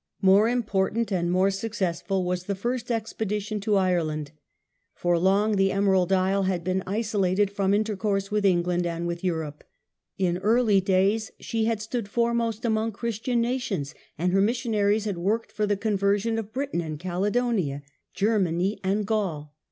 More important and more successful was the first expedition to Ireland. For long the * Emerald Isle ' had been isolated from intercourse with England The conquest and with Europe. In early days she had °^ i«i*na stood foremost among Christian nations, and her mission aries had worked for the conversion of Britain and Cale donia, Germany and Gaul.